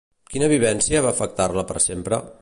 Quina vivència va afectar-la per sempre?